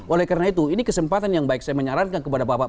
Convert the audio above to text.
oleh karena itu ini kesempatan yang baik saya menyarankan kepada bapak